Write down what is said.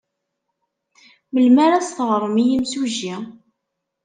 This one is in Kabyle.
Melmi ara as-teɣrem i yimsujji?